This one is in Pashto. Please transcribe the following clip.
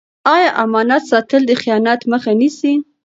آیا امانت ساتل د خیانت مخه نیسي؟